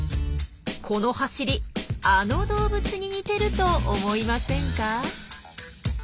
この走りあの動物に似てると思いませんか？